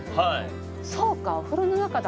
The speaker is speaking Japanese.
そうか！